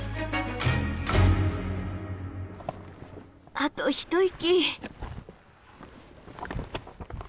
あと一息。